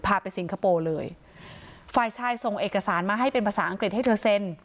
พาไปสิงคโปร์เลยฝ่ายชายส่งเอกสารมาให้เป็นภาษาอังกฤษให้เธอเซ็น